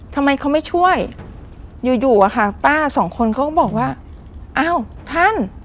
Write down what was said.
ทำไมเขาไม่ช่วยอยู่อยู่อะค่ะป้าสองคนเขาก็บอกว่าอ้าวท่าน